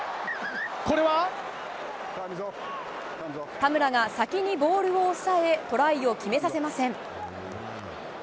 田村が先にボールを押さえトライを決めさせません。